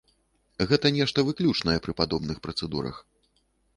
Гэта нешта выключнае пры падобных працэдурах.